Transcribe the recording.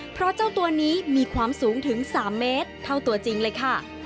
เพราะเจ้าตัวนี้มีความสูงถึง๓เมตรเท่าตัวจริงเลยค่ะ